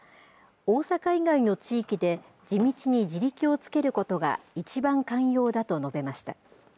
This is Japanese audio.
大阪以外の地域で、地道に地力をつけることが一番肝要だと述べました。